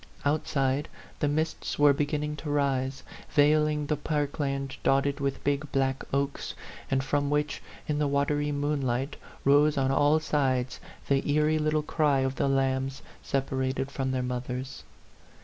Outside, the mists were beginning to rise, veiling the park land dotted with big, black oaks, and from which, in the watery moon light, rose on all sides the eerie little cry of the lambs separated from their mothers.